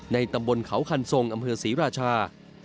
ตำบลเขาคันทรงอำเภอศรีราชา